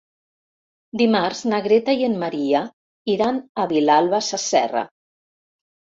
Dimarts na Greta i en Maria iran a Vilalba Sasserra.